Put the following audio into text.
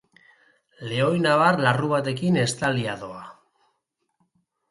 Lehoinabar larru batekin estalia doa.